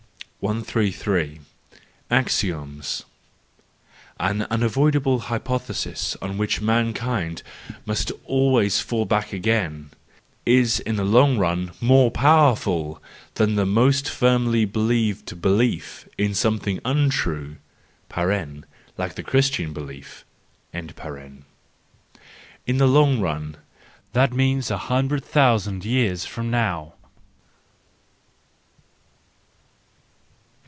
133 Axioms. —An unavoidable hypothesis on which mankind must always fall back again, is, in the long run, more powerful than the most firmly believed belief in something untrue (like the Christian belief). In the long run: that means a hundred thousand years from now.